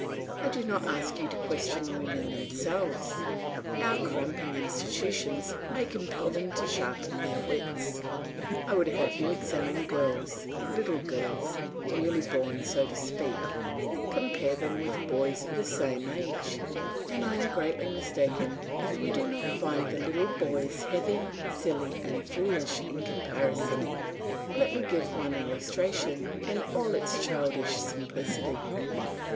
I do not ask you to question women themselves, our cramping institutions may compel them to sharpen their wits; I would have you examine girls, little girls, newly born so to speak; compare them with boys of the same age, and I am greatly mistaken if you do not find the little boys heavy, silly, and foolish, in comparison. Let me give one illustration in all its childish simplicity.